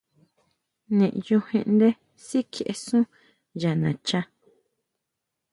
Niʼyujinʼndé sikjiʼesun yá nacha.